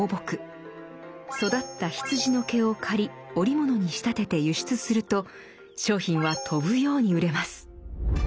育った羊の毛を刈り織物に仕立てて輸出すると商品は飛ぶように売れます。